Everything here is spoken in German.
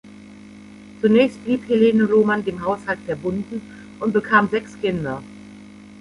Zunächst blieb Helene Lohmann dem Haushalt verbunden und bekam sechs Kinder.